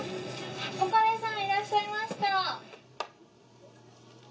岡部さんいらっしゃいました。